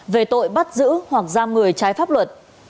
về tội bắt giữ hoặc giam người trái pháp luật